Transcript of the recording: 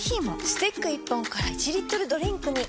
スティック１本から１リットルドリンクに！